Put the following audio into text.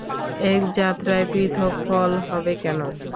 এক যাত্রায় পৃথক ফল হবে কেন?